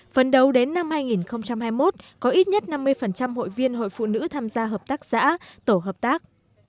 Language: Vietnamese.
phần đầu đến năm hai nghìn hai mươi một có ít nhất năm mươi hội viên hội phụ nữ tham gia hợp tác xã tổ hợp tác